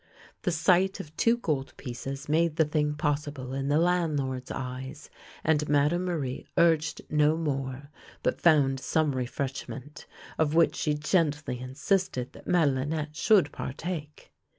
The sight of two gold pieces made the thing possible in the landlord's eyes, and Madame Marie urged no more, but found some refreshment, of which she gently insisted that Madelinette should partake.